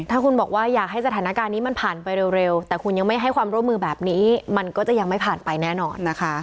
ถ้าคุณบอกว่าอยากให้สถานการณ์นี้มันผ่านไปเร็วแต่คุณยังไม่ให้ความร่วมมือแบบนี้มันก็จะยังไม่ผ่านไปแน่นอนนะคะ